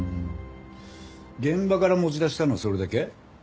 現場から持ち出したのはそれだけ？